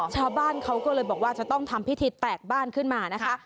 ชาวบ้านเขาก็เลยบอกว่าจะต้องทำพิธีแตกบ้านขึ้นมานะคะ